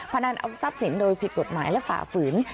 พนันเอาทรัพย์สินโดยผิดกฎหมายและฝ่าฝืน